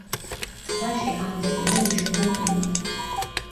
ტბაში ანდებიდან ეშვება მყინვარი.